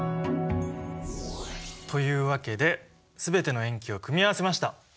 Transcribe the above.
というわけで全ての塩基を組み合わせました。